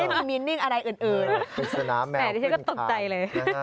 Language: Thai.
ไม่ได้มีนิ่งอะไรอื่นปิดสนามแมวขึ้นแต่นี่ก็ตกใจเลย